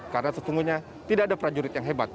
karena sesungguhnya tidak ada prajurit yang hebat